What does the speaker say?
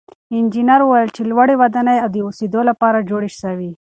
انجنیر وویل چې لوړې ودانۍ د اوسېدو لپاره جوړې سوې.